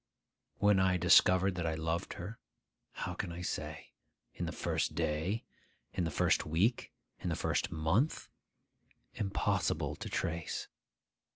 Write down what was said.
When I discovered that I loved her, how can I say? In the first day? in the first week? in the first month? Impossible to trace.